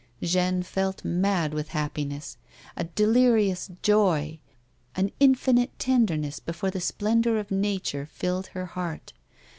Jeanne felt mad with happiness. A delirious joy, an in finite tenderness before the splendour of nature filled her heart.